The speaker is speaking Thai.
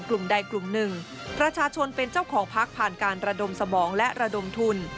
ราชาชนเป็นเจ้าของพักษ์ผ่านการระดมสมองและระดมทุน